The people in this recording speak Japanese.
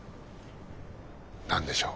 何でしょう。